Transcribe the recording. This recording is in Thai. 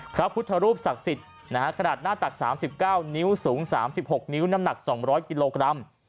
พระพุทธรูปศักดิ์สิทธิ์ขนาดหน้าตัก๓๙นิ้วสูง๓๖นิ้วน้ำหนัก๒๐๐กิโลกรัม